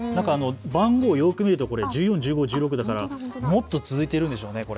番号、よく見ると１４、１５、１６だからもっと続いているんでしょうね。